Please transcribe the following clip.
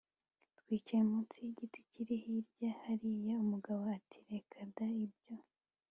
twicaye munsi y’igiti kiri hirya hariya?” Umugabo ati: “Reka da! Ibyo